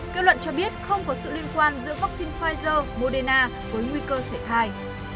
kết luận cho biết không có sự liên quan giữa vaccine pfizer moderna với nguy cơ xảy thai